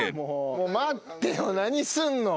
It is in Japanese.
待ってよ何すんの？